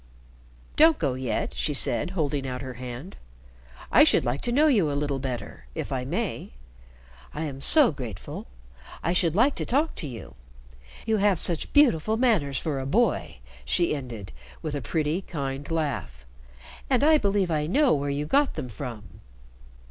"Don't go yet," she said, holding out her hand. "I should like to know you a little better, if I may. I am so grateful. I should like to talk to you. You have such beautiful manners for a boy," she ended, with a pretty, kind laugh, "and I believe I know where you got them from."